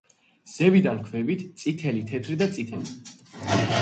ზევიდან ქვევით: წითელი, თეთრი და წითელი.